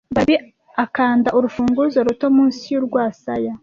Barbie akanda urufunguzo ruto munsi y'urwasaya